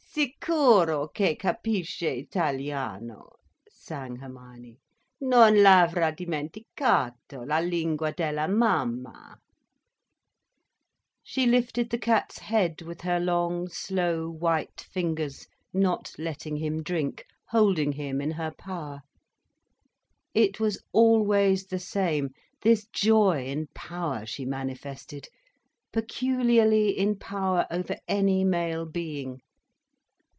"Sicuro che capisce italiano," sang Hermione, "non l'avrà dimenticato, la lingua della Mamma." She lifted the cat's head with her long, slow, white fingers, not letting him drink, holding him in her power. It was always the same, this joy in power she manifested, peculiarly in power over any male being.